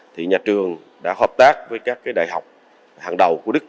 thì nhà trường đã hợp tác với các đại học hàng đầu của đức